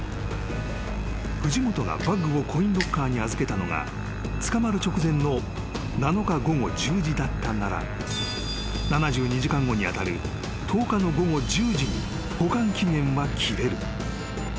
［藤本がバッグをコインロッカーに預けたのが捕まる直前の７日午後１０時だったなら７２時間後に当たる１０日の午後１０時に保管期限は切れる］